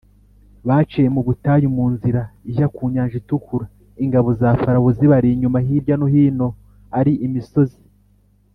Baciye mu butayu mu nzira ijya ku Nyanja Itukura ingabo za farawo zibari inyuma hirya no hino ari imisozi.